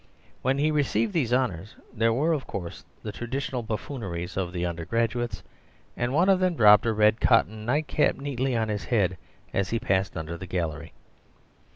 When he received these honours there were, of course, the traditional buffooneries of the undergraduates, and one of them dropped a red cotton night cap neatly on his head as he passed under the gallery.